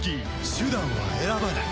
手段は選ばない。